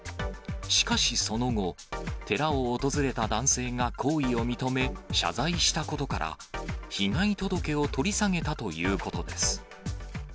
しかしその後、寺を訪れた男性が行為を認め、謝罪したことから、被害届を取り下げたということです。